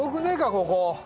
ここ。